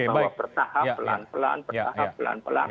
bahwa bertahap pelan pelan bertahap pelan pelan